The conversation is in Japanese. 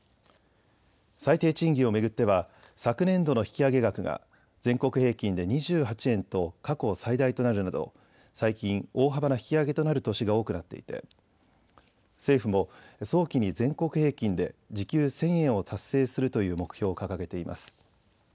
最低賃金を巡っては昨年度の引き上げ額が全国平均で２８円と過去最大となるなど最近、大幅な引き上げとなる年が多くなっていて政府も早期に全国平均で時給１０００円を達成するという目標を掲げています。